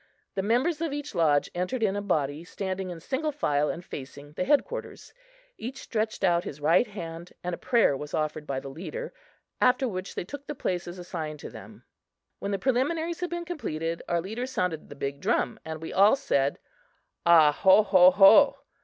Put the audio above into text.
The members of each lodge entered in a body, standing in single file and facing the headquarters. Each stretched out his right hand and a prayer was offered by the leader, after which they took the places assigned to them. When the preliminaries had been completed, our leader sounded the big drum and we all said "A ho ho ho!"